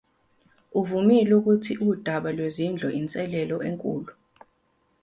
Uvumile ukuthi udaba lwezindlu inselelo enkulu.